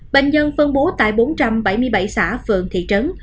bệnh nhân phân bố tại bốn trăm bảy mươi bảy xã phường thị trấn